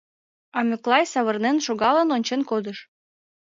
А Миклай савырнен шогалын ончен кодеш.